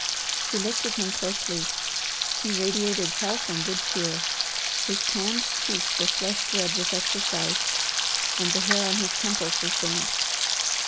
She looked at him closely. He radiated health and good cheer. His tanned cheeks were flushed red with exercise, and the hair on his temples was damp.